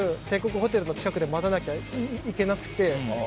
帝国ホテルの近くで待たなきゃいけなくて。